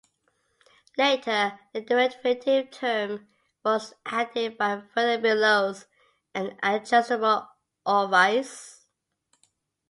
Later the derivative term was added by a further bellows and adjustable orifice.